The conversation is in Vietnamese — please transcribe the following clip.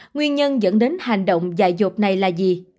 nguyên nhân dẫn đến hành động dài dộp này là gì